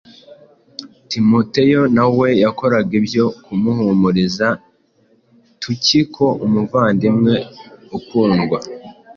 Timoteyo na we yakoraga ibyo kumuhumuriza. Tukiko, “umuvandimwe ukundwa